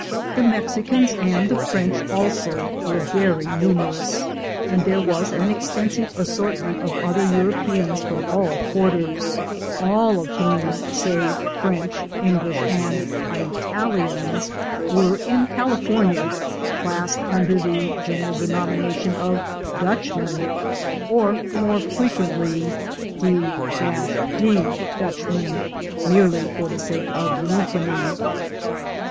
The Mexicans and the French also were very numerous, and there was an extensive assortment of other Europeans from all quarters, all of whom, save French, English, and "Ej^etalians," are in California classed under the general denomination of Dutchmen, or more frequently "d — d Dutchmen," merely for the sake of euphony.